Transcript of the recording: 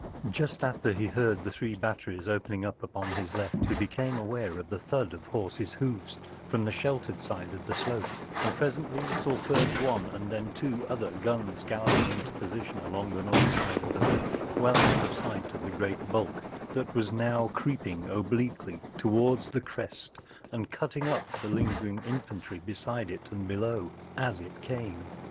Just after he heard the three batteries opening up upon his left he became aware of the thud of horses’ hoofs from the sheltered side of the slope, and presently saw first one and then two other guns galloping into posi¬ tion along the north side of the ridge, well out of sight of the great bulk that was now creeping obliquely towards the crest and cutting up the lingering infantry beside it and below, as it came.